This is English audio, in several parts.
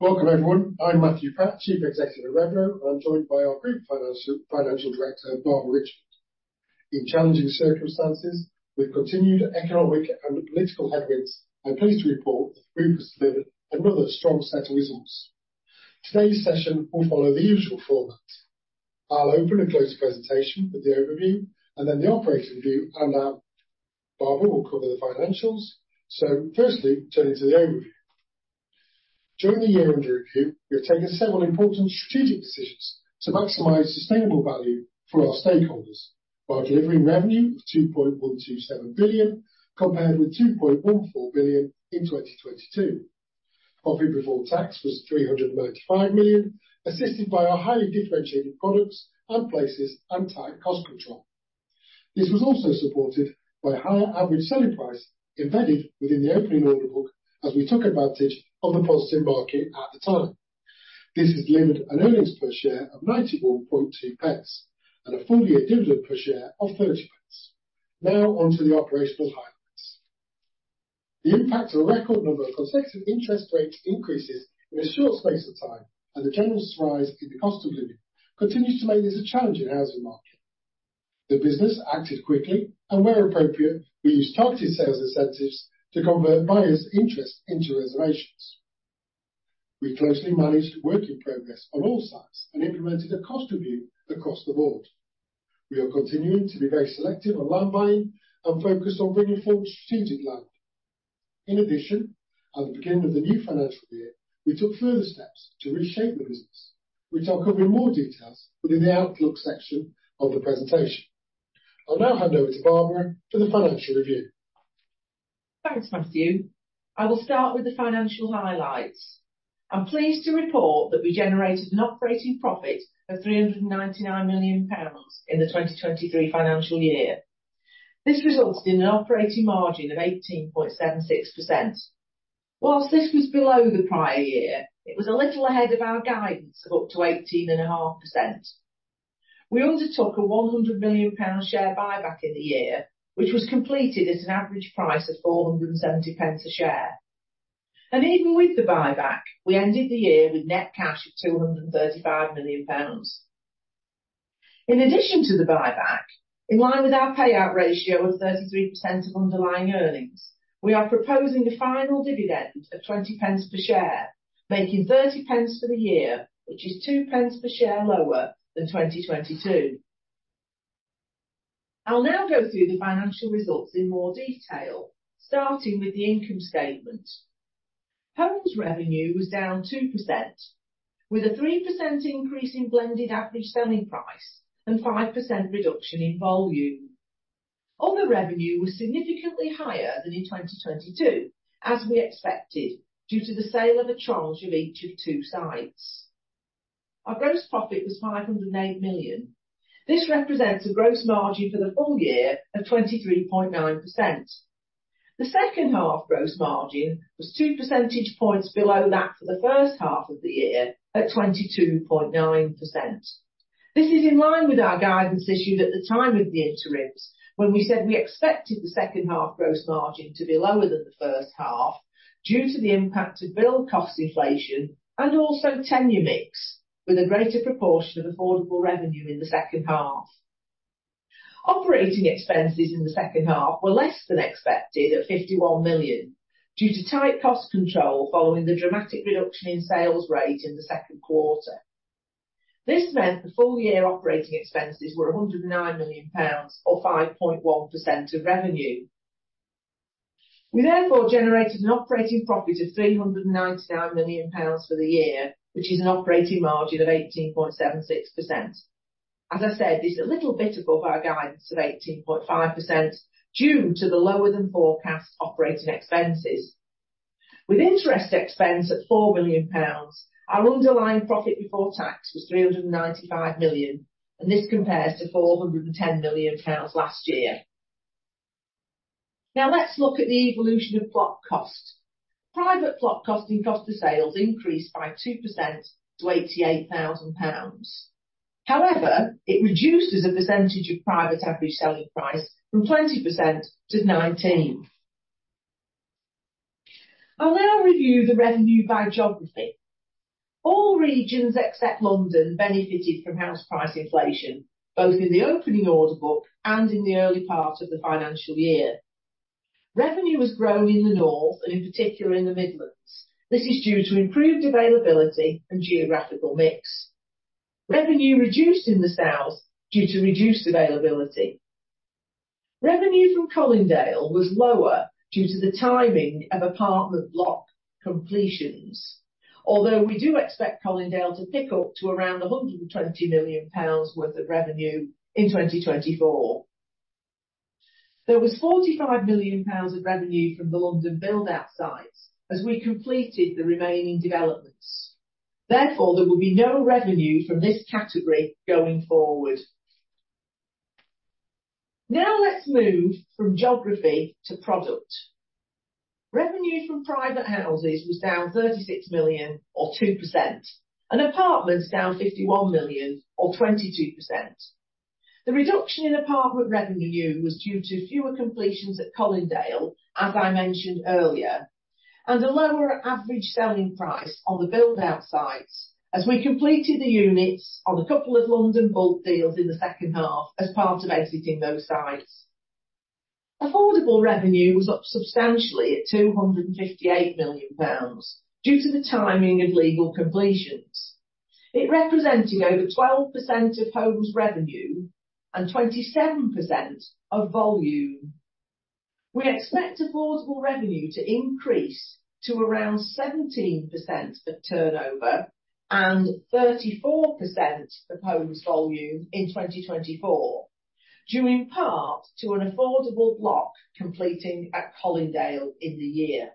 Welcome, everyone. I'm Matthew Pratt, Chief Executive of Redrow, and I'm joined by our Group Finance Director, Barbara Richmond. In challenging circumstances, with continued economic and political headwinds, I'm pleased to report the group has delivered another strong set of results. Today's session will follow the usual format. I'll open and close the presentation with the overview, and then the operating view, and Barbara will cover the financials. So firstly, turning to the overview. During the year under review, we have taken several important strategic decisions to maximize sustainable value for our stakeholders, while delivering revenue of 2.127 billion, compared with 2.14 billion in 2022. Profit before tax was 395 million, assisted by our highly differentiated products and places, and tight cost control. This was also supported by higher average selling price embedded within the opening order book, as we took advantage of the positive market at the time. This has delivered an earnings per share of 0.912, and a full-year dividend per share of 0.30. Now, on to the operational highlights. The impact of a record number of consecutive interest rate increases in a short space of time, and the general rise in the cost of living, continues to make this a challenging housing market. The business acted quickly, and where appropriate, we used targeted sales incentives to convert buyers' interest into reservations. We closely managed work in progress on all sides and implemented a cost review across the board. We are continuing to be very selective on land buying and focused on bringing forward strategic land. In addition, at the beginning of the new financial year, we took further steps to reshape the business, which I'll cover in more details within the outlook section of the presentation. I'll now hand over to Barbara for the financial review. Thanks, Matthew. I will start with the financial highlights. I'm pleased to report that we generated an operating profit of GBP 399 million in the 2023 financial year. This resulted in an operating margin of 18.76%. While this was below the prior year, it was a little ahead of our guidance of up to 18.5%. We undertook a 100 million pound share buyback in the year, which was completed at an average price of 4.70 a share. Even with the buyback, we ended the year with net cash of 235 million pounds. In addition to the buyback, in line with our payout ratio of 33% of underlying earnings, we are proposing a final dividend of 0.20 per share, making 0.30 for the year, which is 0.02 per share lower than 2022. I'll now go through the financial results in more detail, starting with the income statement. Homes revenue was down 2%, with a 3% increase in blended average selling price and 5% reduction in volume. Other revenue was significantly higher than in 2022, as we expected, due to the sale of a tranche of each of two sites. Our gross profit was 508 million. This represents a gross margin for the full year of 23.9%. The second half gross margin was 2 percentage points below that for the first half of the year, at 22.9%. This is in line with our guidance issued at the time of the interims, when we said we expected the second half gross margin to be lower than the first half, due to the impact of build cost inflation, and also tenure mix, with a greater proportion of affordable revenue in the second half. Operating expenses in the second half were less than expected at 51 million, due to tight cost control following the dramatic reduction in sales rate in the second quarter. This meant the full year operating expenses were 109 million pounds, or 5.1% of revenue. We therefore generated an operating profit of GBP 399 million for the year, which is an operating margin of 18.76%. As I said, this is a little bit above our guidance of 18.5%, due to the lower than forecast operating expenses. With interest expense at 4 million pounds, our underlying profit before tax was 395 million, and this compares to 410 million pounds last year. Now, let's look at the evolution of plot cost. Private plot cost and cost of sales increased by 2% to 88,000 pounds. However, it reduced as a percentage of private average selling price from 20% to 19%. I'll now review the revenue by geography. All regions, except London, benefited from house price inflation, both in the opening order book and in the early part of the financial year. Revenue has grown in the North and in particular in the Midlands. This is due to improved availability and geographical mix. Revenue reduced in the South due to reduced availability. Revenue from Colindale was lower due to the timing of apartment block completions, although we do expect Colindale to pick up to around 120 million pounds worth of revenue in 2024. There was 45 million pounds of revenue from the London build-out sites as we completed the remaining developments. Therefore, there will be no revenue from this category going forward. Now, let's move from geography to product. Revenue from private houses was down 36 million, or 2%, and apartments down 51 million, or 22%.... The reduction in apartment revenue was due to fewer completions at Colindale, as I mentioned earlier, and a lower average selling price on the build-out sites as we completed the units on a couple of London bulk deals in the second half as part of exiting those sites. Affordable revenue was up substantially at 258 million pounds, due to the timing of legal completions. It represented over 12% of homes revenue and 27% of volume. We expect affordable revenue to increase to around 17% of turnover and 34% of homes volume in 2024, due in part to an affordable block completing at Colindale in the year.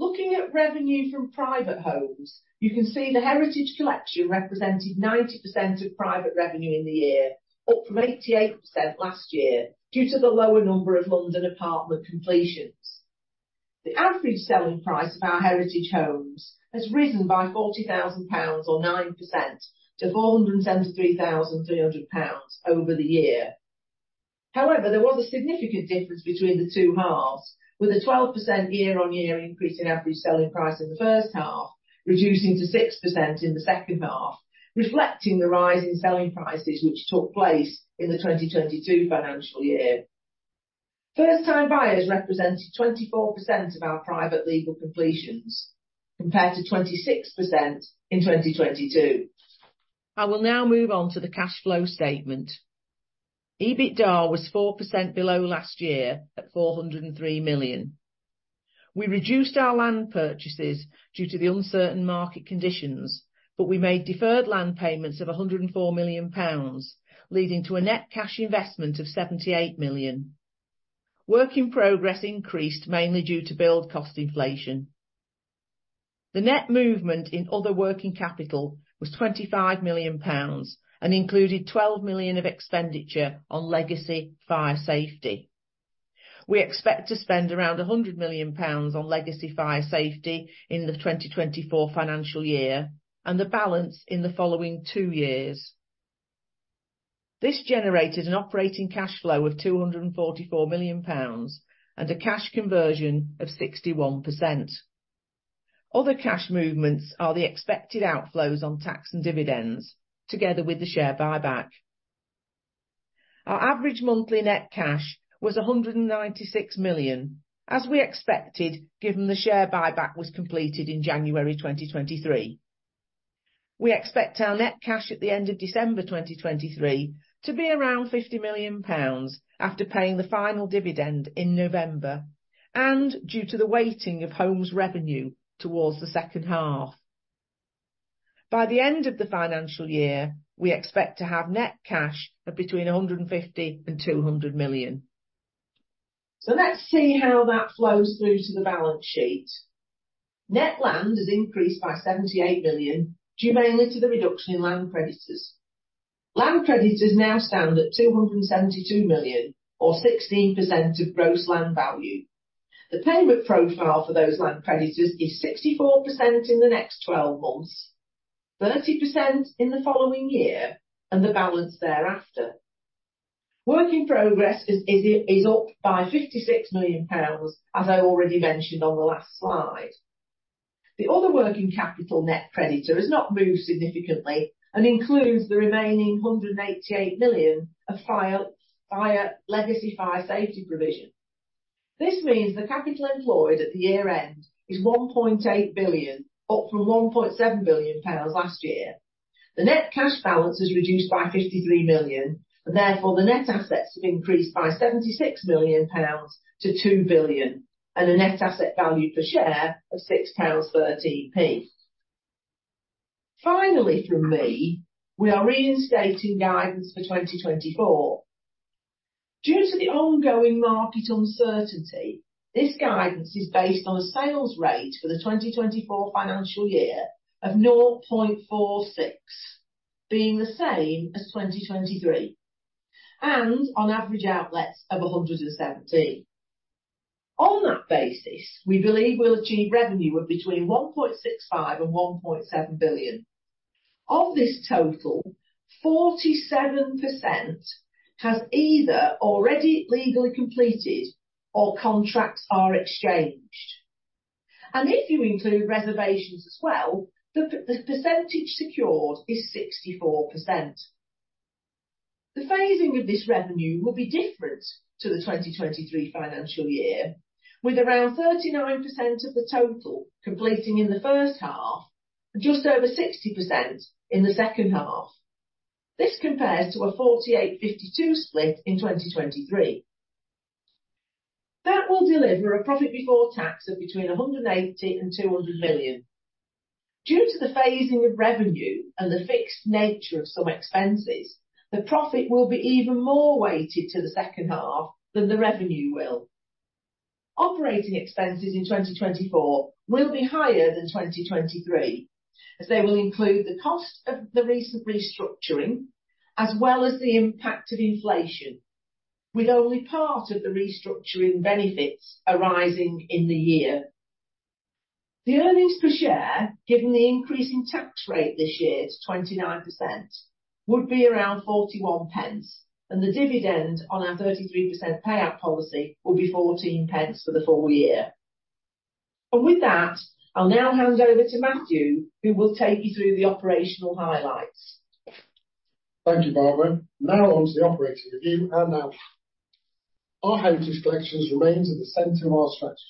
Looking at revenue from private homes, you can see the Heritage Collection represented 90% of private revenue in the year, up from 88% last year, due to the lower number of London apartment completions. The average selling price of our Heritage homes has risen by 40,000 pounds, or 9%, to 473,300 pounds over the year. However, there was a significant difference between the two halves, with a 12% year-on-year increase in average selling price in the first half, reducing to 6% in the second half, reflecting the rise in selling prices, which took place in the 2022 financial year. First-time buyers represented 24% of our private legal completions, compared to 26% in 2022. I will now move on to the cash flow statement. EBITDA was 4% below last year, at 403 million. We reduced our land purchases due to the uncertain market conditions, but we made deferred land payments of 104 million pounds, leading to a net cash investment of 78 million. Work in progress increased, mainly due to build cost inflation. The net movement in other working capital was 25 million pounds and included 12 million of expenditure on legacy fire safety. We expect to spend around 100 million pounds on legacy fire safety in the 2024 financial year and the balance in the following two years. This generated an operating cash flow of 244 million pounds and a cash conversion of 61%. Other cash movements are the expected outflows on tax and dividends, together with the share buyback. Our average monthly net cash was 196 million, as we expected, given the share buyback was completed in January 2023. We expect our net cash at the end of December 2023 to be around 50 million pounds after paying the final dividend in November and due to the weighting of homes revenue towards the second half. By the end of the financial year, we expect to have net cash of between 150 and 200 million. So let's see how that flows through to the balance sheet. Net land has increased by 78 million, due mainly to the reduction in land creditors. Land creditors now stand at 272 million, or 16% of gross land value. The payment profile for those land creditors is 64% in the next 12 months, 30% in the following year, and the balance thereafter. Work in progress is up by 56 million pounds, as I already mentioned on the last slide. The other working capital net creditor has not moved significantly and includes the remaining 188 million of fire legacy fire safety provision. This means the capital employed at the year-end is 1.8 billion, up from 1.7 billion pounds last year. The net cash balance is reduced by 53 million, and therefore, the net assets have increased by 76 million pounds to 2 billion, and a net asset value per share of 6.13 pounds. Finally, from me, we are reinstating guidance for 2024. Due to the ongoing market uncertainty, this guidance is based on a sales rate for the 2024 financial year of 0.46, being the same as 2023, and on average, outlets of 117. On that basis, we believe we'll achieve revenue of between 1.65 billion and 1.7 billion. Of this total, 47% has either already legally completed or contracts are exchanged. And if you include reservations as well, the percentage secured is 64%. The phasing of this revenue will be different to the 2023 financial year, with around 39% of the total completing in the first half and just over 60% in the second half. This compares to a 48-52 split in 2023. That will deliver a profit before tax of between 180 million and 200 million. Due to the phasing of revenue and the fixed nature of some expenses, the profit will be even more weighted to the second half than the revenue will. Operating expenses in 2024 will be higher than 2023, as they will include the cost of the recent restructuring as well as the impact of inflation, with only part of the restructuring benefits arising in the year. The earnings per share, given the increase in tax rate this year to 29%, would be around 0.41, and the dividend on our 33% payout policy will be 0.14 for the full year. With that, I'll now hand over to Matthew, who will take you through the operational highlights. Thank you, Barbara. Now on to the operating review and analysis. Our Heritage Collections remains at the center of our strategy,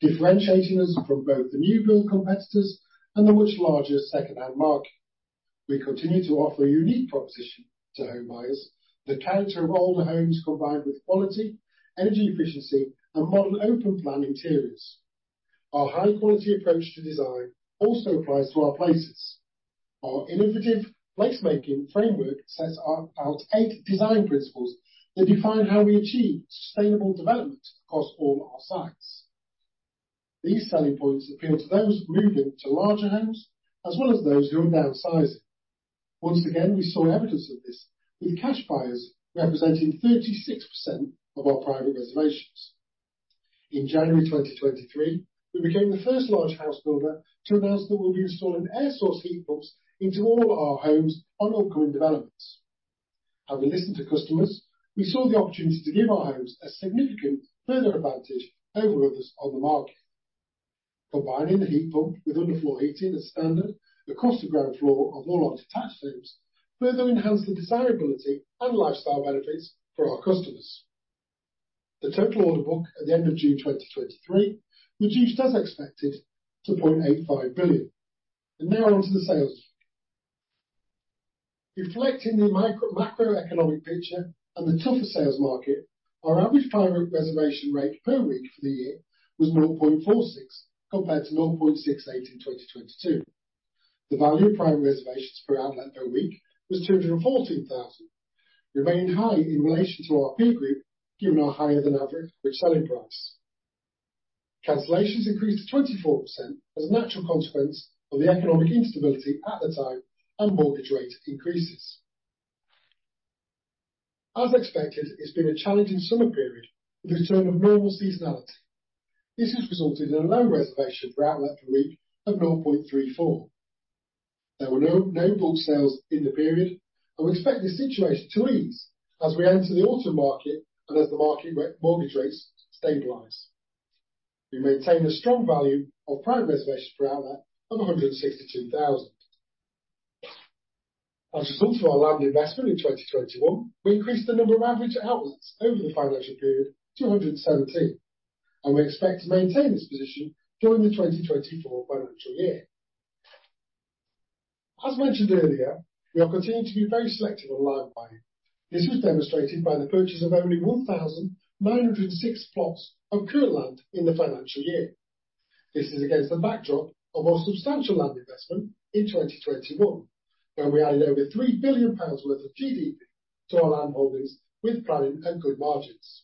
differentiating us from both the new build competitors and the much larger second-hand market. We continue to offer a unique proposition to home buyers, the character of older homes, combined with quality, energy efficiency, and modern open-plan interiors. Our high-quality approach to design also applies to our places. Our innovative placemaking framework sets out eight design principles that define how we achieve sustainable development across all our sites. These selling points appeal to those moving to larger homes, as well as those who are downsizing. Once again, we saw evidence of this, with cash buyers representing 36% of our private reservations. In January 2023, we became the first large house builder to announce that we'll be installing air source heat pumps into all of our homes on upcoming developments. Having listened to customers, we saw the opportunity to give our homes a significant further advantage over others on the market. Combining the heat pump with underfloor heating as standard across the ground floor of all our detached homes, further enhance the desirability and lifestyle benefits for our customers. The total order book at the end of June 2023 reduced as expected to 0.85 billion. And now on to the sales. Reflecting the macroeconomic picture and the tougher sales market, our average private reservation rate per week for the year was 0.46, compared to 0.68 in 2022. The value of private reservations per outlet per week was 214,000, remaining high in relation to our peer group, given our higher than average selling price. Cancellations increased to 24% as a natural consequence of the economic instability at the time and mortgage rate increases. As expected, it's been a challenging summer period with the return of normal seasonality. This has resulted in a low reservation for outlet per week of 0.34. There were no book sales in the period, and we expect this situation to ease as we enter the autumn market and as the mortgage rates stabilize. We maintain a strong value of private reservations per outlet of 162,000. As a result of our land investment in 2021, we increased the number of average outlets over the financial period to 117, and we expect to maintain this position during the 2024 financial year. As mentioned earlier, we are continuing to be very selective on land buying. This is demonstrated by the purchase of only 1,906 plots of current land in the financial year. This is against the backdrop of our substantial land investment in 2021, where we added over 3 billion pounds to our land holdings with planning and good margins.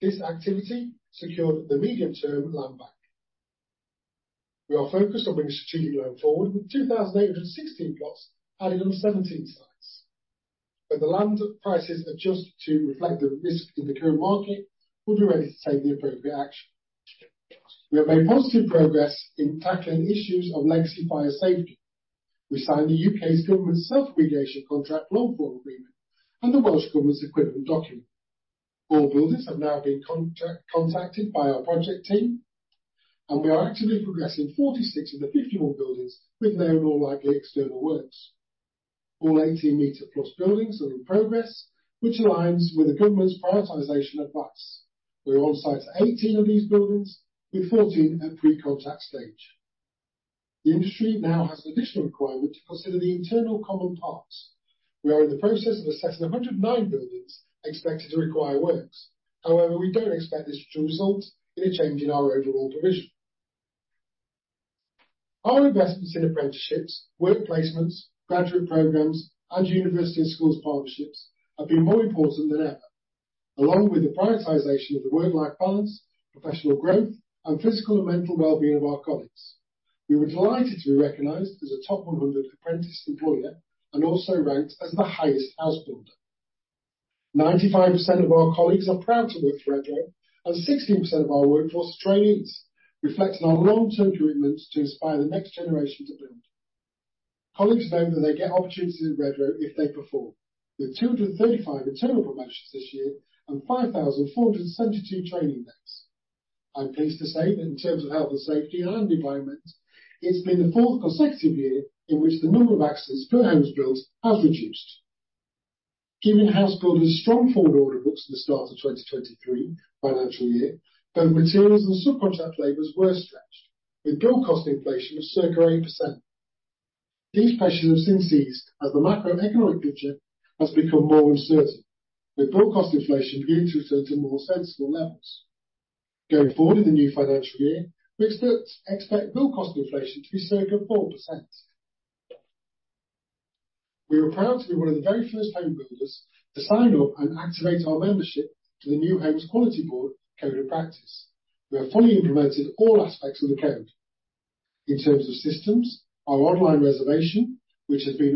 This activity secured the medium-term land bank. We are focused on bringing strategic land forward, with 2,816 plots added on 17 sites. When the land prices adjust to reflect the risk in the current market, we'll be ready to take the appropriate action. We have made positive progress in tackling issues of legacy fire safety. We signed the U.K. Government's Self-Remediation Contract long form agreement and the Welsh Government's equivalent document. All builders have now been contacted by our project team, and we are actively progressing 46 of the 51 buildings with no more likely external works. All 18 m plus buildings are in progress, which aligns with the government's prioritization advice. We're on site 18 of these buildings, with 14 at pre-contract stage. The industry now has an additional requirement to consider the internal common parts. We are in the process of assessing 109 buildings expected to require works. However, we don't expect this to result in a change in our overall provision. Our investments in apprenticeships, work placements, graduate programs, and university schools partnerships have been more important than ever, along with the prioritization of the work-life balance, professional growth, and physical and mental well-being of our colleagues. We were delighted to be recognized as a top 100 apprentice employer and also ranked as the highest house builder. 95% of our colleagues are proud to work for Redrow, and 16% of our workforce are trainees, reflecting our long-term commitments to inspire the next generation to build. Colleagues know that they get opportunities at Redrow if they perform, with 235 internal promotions this year and 5,472 training days. I'm pleased to say that in terms of Health and Safety and Environment, it's been the fourth consecutive year in which the number of accidents per homes built has reduced. Given house builders' strong forward order books at the start of 2023 financial year, both materials and subcontract labors were stretched, with build cost inflation of circa 8%. These pressures have since ceased as the macroeconomic picture has become more uncertain, with build cost inflation beginning to return to more sensible levels. Going forward in the new financial year, we expect build cost inflation to be circa 4%. We are proud to be one of the very first home builders to sign up and activate our membership to the New Homes Quality Board Code of Practice. We have fully implemented all aspects of the code. In terms of systems, our online reservation, which we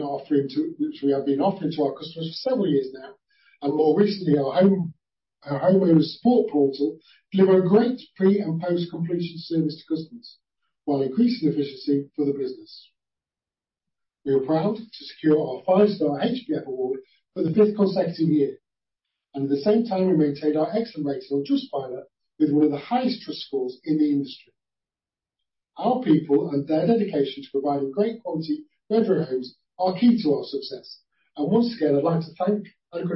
have been offering to our customers for several years now, and more recently, our home-... Our Homeowner Support Portal deliver great pre- and post-completion service to customers, while increasing efficiency for the business. We are proud to secure our five-star HBF award for the fifth consecutive year, and at the same time, we maintained our excellent rating on Trustpilot with one of the highest trust scores in the industry. Our people and their dedication to providing great quality Redrow homes are key to our success, and once again, I'd like to thank and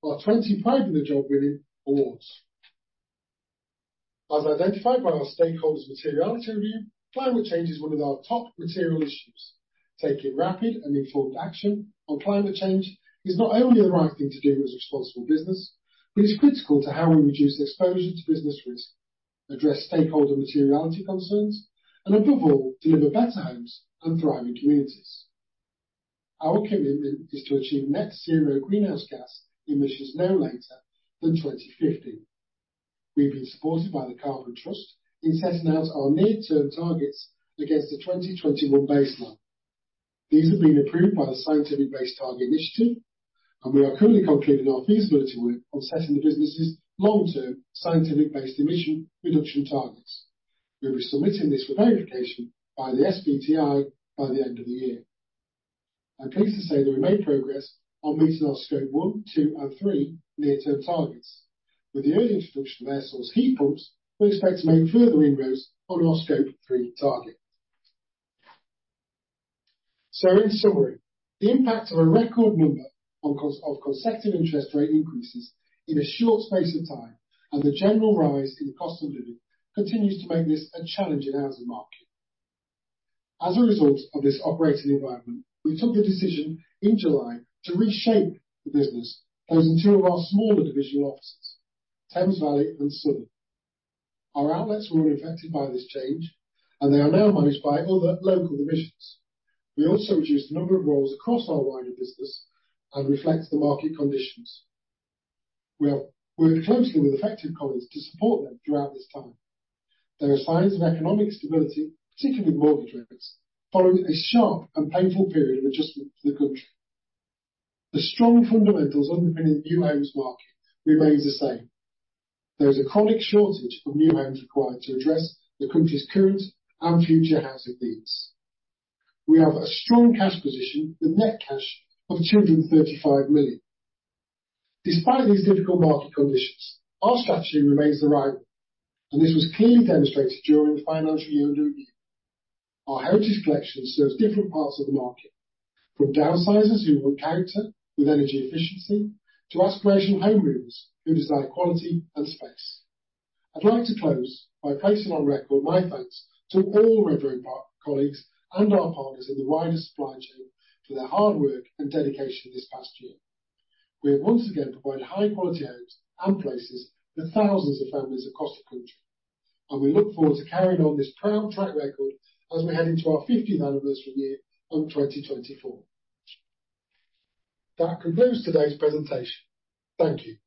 congratulate our 25 Pride in the Job Winning awards. As identified by our stakeholders materiality review, climate change is one of our top material issues. Taking rapid and informed action on climate change is not only the right thing to do as a responsible business, but it's critical to how we reduce exposure to business risk, address stakeholder materiality concerns, and above all, deliver better homes and thriving communities. Our commitment is to achieve net zero greenhouse gas emissions no later than 2050. We've been supported by the Carbon Trust in setting out our near-term targets against the 2021 baseline. These have been approved by the Science Based Targets initiative, and we are currently concluding our feasibility work on setting the business's long-term science-based emission reduction targets. We'll be submitting this for verification by the SBTi by the end of the year. I'm pleased to say that we made progress on meeting our Scope one, two, and three near-term targets. With the early introduction of air source heat pumps, we expect to make further inroads on our Scope three target. So in summary, the impact of a record number of consecutive interest rate increases in a short space of time and the general rise in the cost of living continues to make this a challenging housing market. As a result of this operating environment, we took the decision in July to reshape the business, closing two of our smaller divisional offices, Thames Valley and Southern. Our outlets were unaffected by this change, and they are now managed by other local divisions. We also reduced the number of roles across our wider business and reflects the market conditions. We have worked closely with affected colleagues to support them throughout this time. There are signs of economic stability, particularly mortgage rates, following a sharp and painful period of adjustment for the country. The strong fundamentals underpinning the new homes market remains the same. There is a chronic shortage of new homes required to address the country's current and future housing needs. We have a strong cash position with net cash of 235 million. Despite these difficult market conditions, our strategy remains the right one, and this was clearly demonstrated during the financial year under review. Our Heritage Collection serves different parts of the market, from downsizers who want character with energy efficiency, to aspirational homeowners who desire quality and space. I'd like to close by placing on record my thanks to all Redrow colleagues and our partners in the wider supply chain for their hard work and dedication this past year. We have once again provided high-quality homes and places for thousands of families across the country, and we look forward to carrying on this proud track record as we head into our 50th anniversary year in 2024. That concludes today's presentation. Thank you.